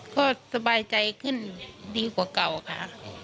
ก็สบายใจขึ้นดีกว่าเก่าค่ะ